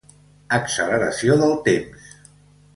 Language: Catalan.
Acceleració del temps,